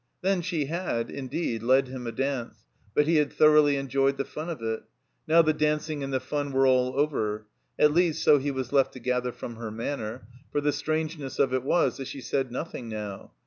Then she had, indeed, led him a dance, but he had thoroughly enjoyed the fun of it. Now the dancing and the fun were all over. At least, so he was left to gather from her manner; for the strangeness of it was that she said nothing now.